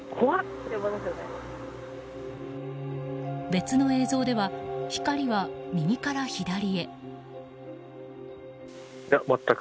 別の映像では、光は右から左へ。